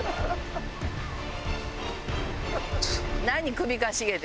首かしげて。